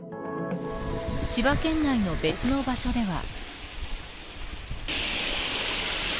千葉県内の別の場所では。